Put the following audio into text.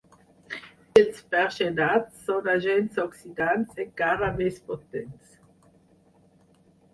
Els perxenats són agents oxidants encara més potents.